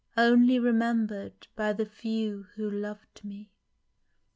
Only remember'd by the few who lov'd me